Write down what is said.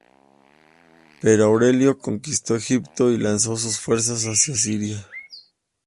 Pero Aureliano conquistó Egipto y lanzó sus fuerzas hacia Siria.